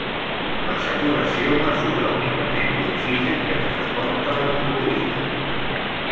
La saturació mesura únicament l'oxigen que transporta l'hemoglobina.